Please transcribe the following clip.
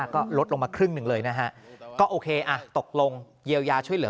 ก็ลดลงมาครึ่งหนึ่งเลยนะฮะก็โอเคอ่ะตกลงเยียวยาช่วยเหลือ